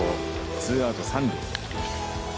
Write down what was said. ツーアウト、三塁。